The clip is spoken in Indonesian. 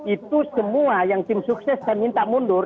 itu semua yang tim sukses saya minta mundur